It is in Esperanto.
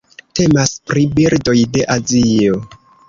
Temas pri birdoj de Azio.